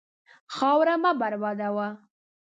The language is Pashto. خاوره مه بربادوه.